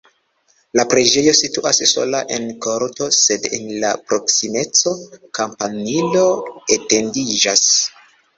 La preĝejo situas sola en korto, sed en la proksimeco kampanilo etendiĝas.